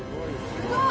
すごい！